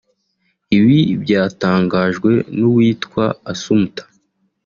Ibi byatangajwe n’uwitwa Assoumpta